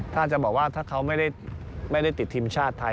ถ้าจะบอกว่าถ้าเขาไม่ได้ติดทีมชาติไทย